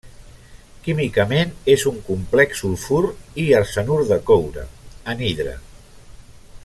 Químicament és un complex sulfur i arsenur de coure, anhidre.